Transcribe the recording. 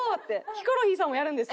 ヒコロヒーさんもやるんです。